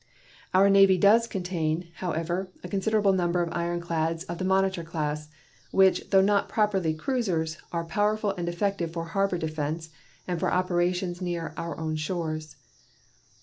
Our Navy does contain, however, a considerable number of ironclads of the monitor class, which, though not properly cruisers, are powerful and effective for harbor defense and for operations near our own shores.